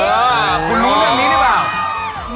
เออคุณรู้เรื่องนี้ได้ป่าว